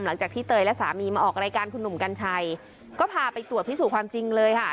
หลังจากที่เตยและสามีมาออกรายการคุณหนุ่มกัญชัยก็พาไปตรวจพิสูจน์ความจริงเลยค่ะ